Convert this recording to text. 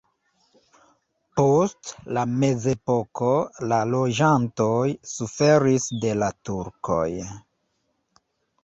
Post la mezepoko la loĝantoj suferis de la turkoj.